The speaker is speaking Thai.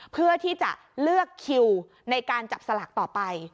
เพื่อที่จะเลือกคิวในการจับสลากต่อไป